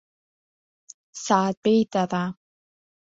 Саатәеит ара.